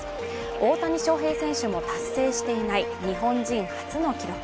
大谷翔平選手も達成していない日本人初の記録。